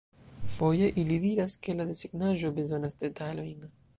Foje, ili diras ke la desegnaĵo bezonas detalojn.